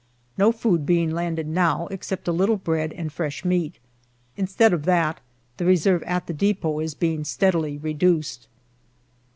No food being landed now, except a little bread and fresh meat. Instead of that, the reserve at the depot is being steadily reduced.